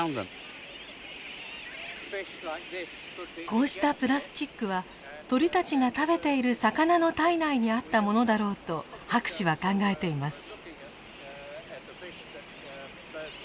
こうしたプラスチックは鳥たちが食べている魚の体内にあったものだろうと博士は考えています。